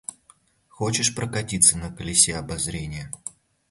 Хочешь прокатиться на колесе обозрения?